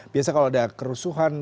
biasa kalau ada kerusuhan